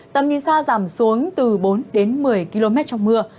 tầm nhìn xa giảm xuống từ bốn đến một mươi km trong mưa